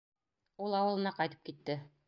Ул ауылына ҡайтып китте.